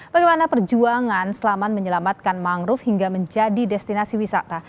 bagaimana perjuangan selaman menyelamatkan mangrove hingga menjadi destinasi wisata